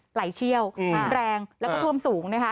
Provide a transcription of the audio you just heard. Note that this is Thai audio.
ไหลเชี่ยวแรงแล้วก็ท่วมสูงนะคะ